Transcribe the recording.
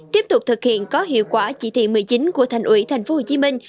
tiếp tục thực hiện có hiệu quả chỉ thị một mươi chín của thành ủy tp hcm